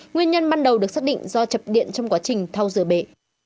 nguyên nhân ban đầu được xác định do chập điện trong quá trình thao rửa bể